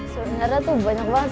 sebenarnya tuh banyak banget